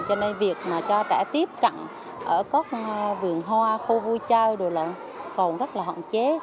cho nên việc mà cho trẻ tiếp cận ở các vườn hoa khu vui chơi đều là còn rất là hoạn chế